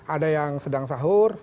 ada yang sedang sahur